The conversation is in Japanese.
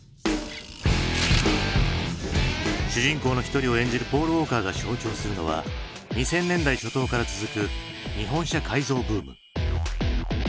主人公の一人を演じるポール・ウォーカーが象徴するのは２０００年代初頭から続く日本車改造ブーム。